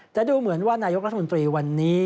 แต่ดูเหมือนว่านายกรัฐมนตรีวันนี้